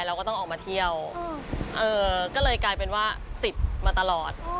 เราก็ต้องออกมาเที่ยวก็เลยกลายเป็นว่าติดมาตลอด